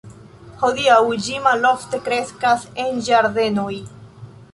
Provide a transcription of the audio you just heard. Hodiaŭ ĝi malofte kreskas en ĝardenoj.